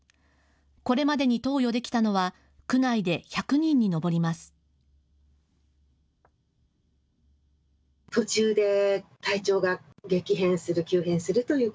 これまでに投与できたのは区内で１００人に上ります。